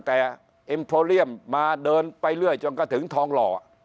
แต่เอ็มโพเลียมมาเดินไปเรื่อยจนกระถึงทองหล่อ